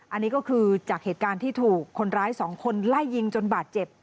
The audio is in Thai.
อันนี้ก็คือจากเหตุการณ์ที่ถูกคนร้าย๒คนไล่ยิงจนบาดเจ็บ